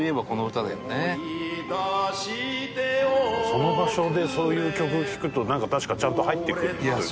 その場所でそういう曲聴くとなんか確かにちゃんと入ってくるっていうかね。